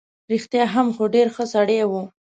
رښتیا هم، خو ډېر ښه سړی وو.